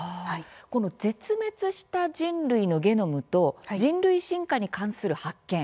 この「絶滅した人類のゲノムと人類進化に関する発見」